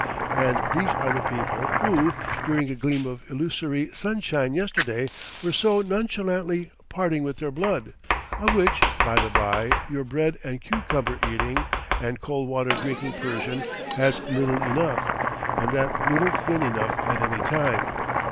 And these are the people who, during a gleam of illusory sunshine yesterday, were so nonchalantly parting with their blood of which, by the by, your bread and cucumber eating, and cold water drinking Persian has little enough, and that little thin enough at any time.